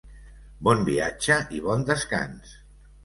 Bon viatge i bon descans.